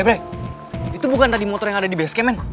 bro itu bukan tadi motor yang ada di bsk men